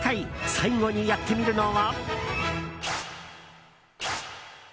最後にやってみるのは。